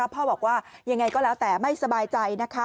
พ่อบอกว่ายังไงก็แล้วแต่ไม่สบายใจ